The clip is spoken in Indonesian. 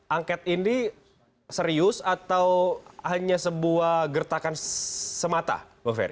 angket ini serius atau hanya sebuah gertakan semata bang ferr